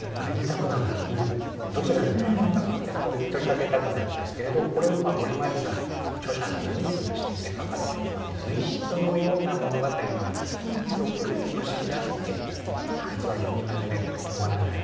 贅沢なのに貧乏どちらなのあなたはって問いかけたくなるんですけれどこれは森茉莉さんという著者のユニークな視点で書かれている随筆のような物語のようなすごく不思議ですけれども実は読み始めると止まらない